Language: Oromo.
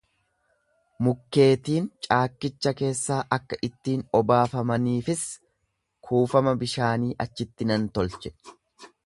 Mukkeetiin caakkicha keessaa akka ittiin obaafamaniifis kuufama bishaanii achitti nan tolche.